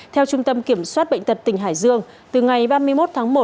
theo trung tâm kiểm soát bệnh tật tỉnh hải dương từ ngày ba mươi một tháng một